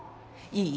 いい？